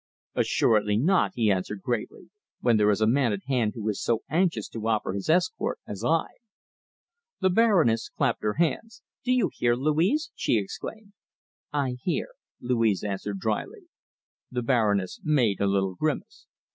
"Assuredly not," he answered gravely, "when there is a man at hand who is so anxious to offer his escort as I." The Baroness clapped her hands. "Do you hear, Louise?" she exclaimed. "I hear," Louise answered dryly. The Baroness made a little grimace.